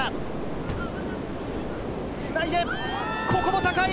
つないで、ここも高い！